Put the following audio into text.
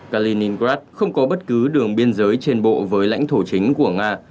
kaliningrad không có bất cứ đường biên giới trên bộ với lãnh thổ chính của nga